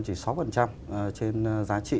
chỉ sáu trên giá trị